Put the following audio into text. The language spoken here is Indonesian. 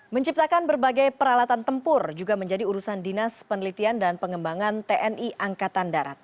menciptakan berbagai peralatan tempur juga menjadi urusan dinas penelitian dan pengembangan tni angkatan darat